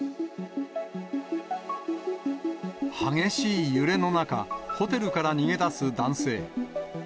激しい揺れの中、ホテルから逃げ出す男性。